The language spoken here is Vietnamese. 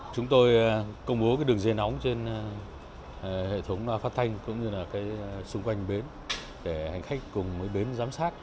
chúng tôi công bố đường dây nóng trên hệ thống phát thanh cũng như xung quanh bến để hành khách cùng bến giám sát